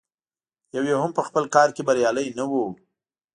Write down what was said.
یو یې هم په خپل کار کې بریالی نه و.